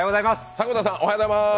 迫田さんおはようございます。